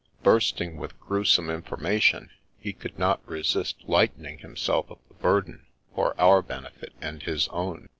Bursting with gruesome in formation, he could not resist lightening himself of the burden, for our benefit and his own.